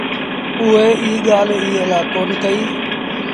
اُئي ايٚ ڳآل ايٚئي لآ ڪون ڪئيٚ